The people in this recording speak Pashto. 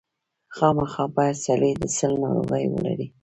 خامخا باید سړی د سِل ناروغي ولري.